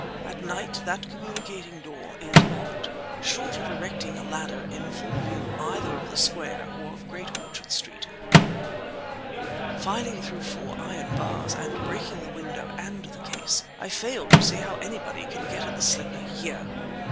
At night that communicating door is locked. Short of erecting a ladder in full view either of the Square or of Great Orchard Street, filing through four iron bars and breaking the window and the case, I fail to see how anybody can get at the slipper here."